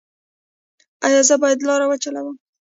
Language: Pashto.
ایا زه باید لارۍ وچلوم؟